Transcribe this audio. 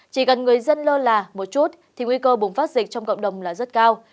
chỉ cần người dân lơ là một chút thì nguy cơ bùng phát dịch trong cộng đồng là rất cao